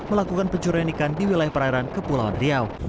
melakukan pencurian ikan di wilayah perairan kepulauan riau